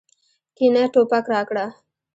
کېنه ټوپک راکړه.